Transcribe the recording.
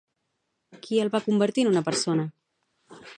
Qui el va convertir en una persona?